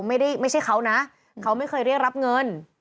ไม่ใช่เขานะเขาไม่เคยเรียกรับเงิน